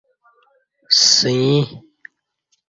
سیں یی